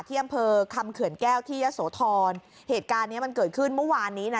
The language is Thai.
ที่อำเภอคำเขื่อนแก้วที่ยะโสธรเหตุการณ์เนี้ยมันเกิดขึ้นเมื่อวานนี้นะ